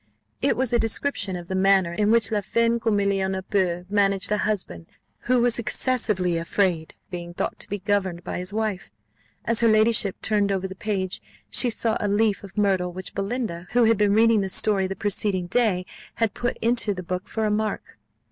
It was a description of the manner in which la femme comme il y en a peu managed a husband, who was excessively afraid of being thought to be governed by his wife. As her ladyship turned over the page, she saw a leaf of myrtle which Belinda, who had been reading the story the preceding day, had put into the book for a mark.